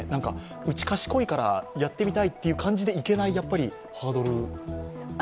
うち、賢いからやってみたいという感じでいけないハードルですね。